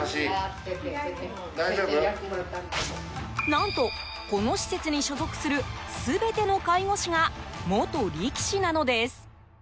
何と、この施設に所属する全ての介護士が元力士なのです。